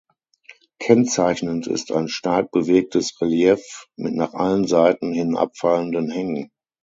Kennzeichnend ist ein stark bewegtes Relief mit nach allen Seiten hin abfallenden Hängen.